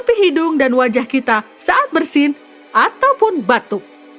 tepi hidung dan wajah kita saat bersin ataupun batuk